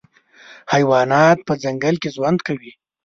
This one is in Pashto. حیوانات په ځنګل کي ژوند کوي.